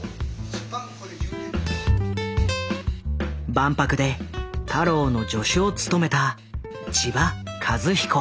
万博で太郎の助手を務めた千葉一彦。